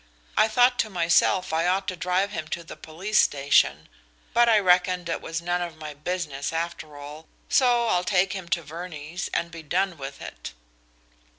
I thought to myself I ought to drive him to the police station, but I reckoned it was none of my business, after all, so I'll take him to Verney's and be done with it.